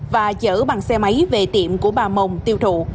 và chở bằng xe máy về tiệm của bà mồng tiêu thụ